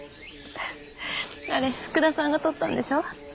あれ福田さんが撮ったんでしょ？